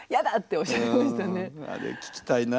あれ聞きたいな。